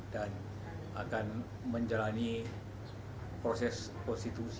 dan akan menjalani proses yang lebih mudah